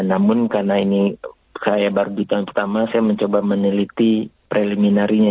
namun karena ini saya baru di tahun pertama saya mencoba meneliti preliminarinya